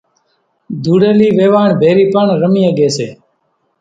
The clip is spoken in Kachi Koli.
ڌوڙيلي ويواڻ ڀيري پڻ رمي ۿڳي سي۔